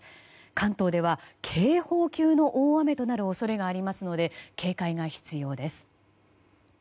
関東では警報級の大雨となる恐れがありますので警戒が必要です。